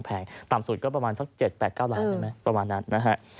ต่ำสุดก็ประมาณสัก๗๘๙ล้านใช่ไหมประมาณนั้นนะฮะ